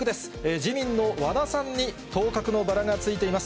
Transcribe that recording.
自民の和田さんに当確のバラがついています。